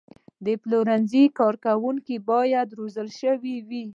د پلورنځي کارکوونکي باید روزل شوي وي.